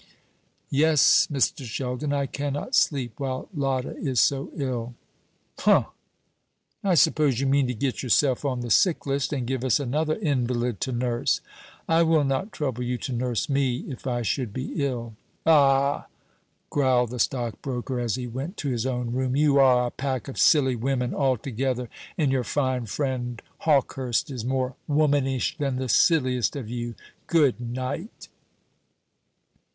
"Yes, Mr. Sheldon. I cannot sleep while Lotta is so ill." "Humph! I suppose you mean to get yourself on the sick list, and give us another invalid to nurse." "I will not trouble you to nurse me if I should be ill." "Ah!" growled the stockbroker, as he went to his own room, "you are a pack of silly women altogether; and your fine friend Hawkehurst is more womanish than the silliest of you. Goodnight."